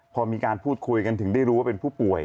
พอมีการพูดคุยกันถึงได้รู้ว่าเป็นผู้ป่วย